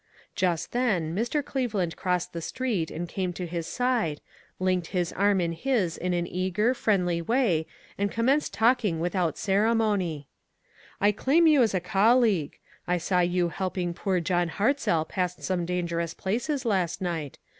Just then Mr. Cleveland crossed the street and came to his side, linked his arm in his in an eager, friendly way and com menced talking without ceremony :" I claim you as a colleague. I saw you helping poor John Hartzell past some dan gerous places last night.